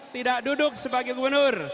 tidak duduk sebagai gubernur